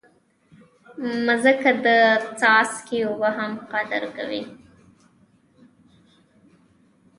مځکه د څاڅکي اوبه هم قدر کوي.